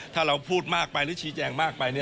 ถ้าเราพูดมากไปหรือชี้แจงมากไป